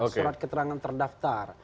surat keterangan terdaftar